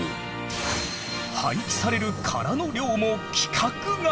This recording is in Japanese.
廃棄される殻の量も規格外！